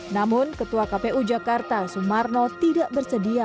namun ketua kpu jakarta sumarno tidak bersedia